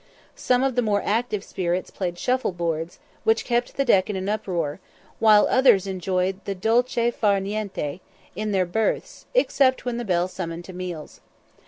Some of the more active spirits played "shuffle boards," which kept the deck in an uproar; while others enjoyed the dolce far niente in their berths, except when the bell summoned to meals.